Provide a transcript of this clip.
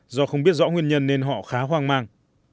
do không biết rõ nguyên nhân nên họ khá hoang mang